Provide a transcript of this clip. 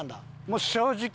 もう正直。